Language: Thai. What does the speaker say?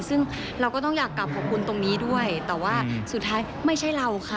ซึ่งเราก็ต้องอยากกลับขอบคุณตรงนี้ด้วยแต่ว่าสุดท้ายไม่ใช่เราค่ะ